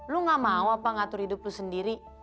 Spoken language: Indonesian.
lu gak mau apa ngatur hidup lu sendiri